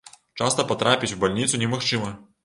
Часта патрапіць у бальніцу не магчыма.